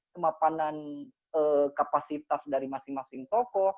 pemapanan kapasitas dari masing masing tokoh